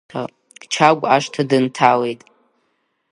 Чагә ашҭа дынҭалеит.